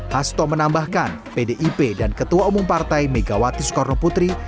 hasto menambahkan pdip dan ketua umum partai megawati soekarnoputri